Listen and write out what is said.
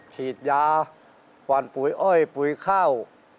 ฉีดยาปั่นปุ๋ยอ้อยปุ๋ยข้าว